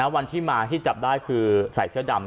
วันที่มาที่จับได้คือใส่เสื้อดำ